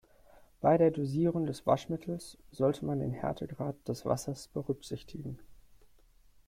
Bei der Dosierung des Waschmittels sollte man den Härtegrad des Wassers berücksichtigen.